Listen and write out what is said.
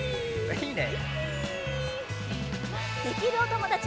いいね。